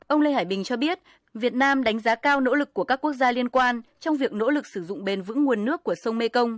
ông lê hải bình cho biết việt nam đánh giá cao nỗ lực của các quốc gia liên quan trong việc nỗ lực sử dụng bền vững nguồn nước của sông mekong